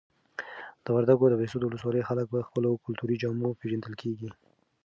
د وردګو د بهسود ولسوالۍ خلک په خپلو کلتوري جامو پیژندل کیږي.